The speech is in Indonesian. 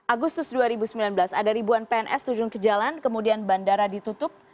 agustus dua ribu sembilan belas ada ribuan pns turun ke jalan kemudian bandara ditutup